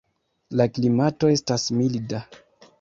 La klimato estas milda.